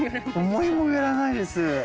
思いもよらないです。